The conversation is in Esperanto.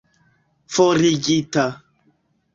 forigita